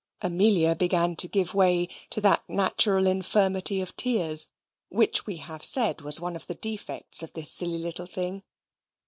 Amelia began to give way to that natural infirmity of tears which, we have said, was one of the defects of this silly little thing.